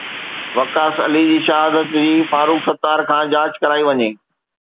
وقاص علي جي شهادت جي فاروق ستار کان جاچ ڪرائي وڃي